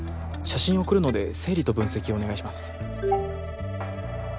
写真送るので整理と分析お願いします。